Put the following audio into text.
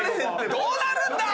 どうなるんだー？